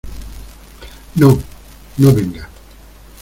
no. no, venga .